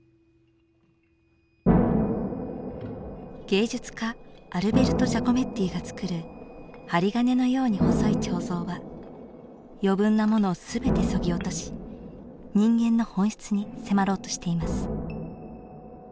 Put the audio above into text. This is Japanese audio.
芸術家アルベルト・ジャコメッティが作る針金のように細い彫像は余分なものを全て削ぎ落とし人間の本質に迫ろうとしています。